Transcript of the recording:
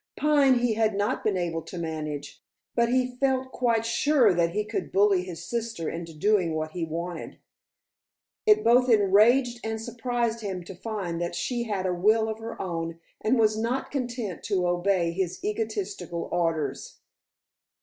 Pine he had not been able to manage, but he felt quite sure that he could bully his sister into doing what he wanted. It both enraged and surprised him to find that she had a will of her own and was not content to obey his egotistical orders.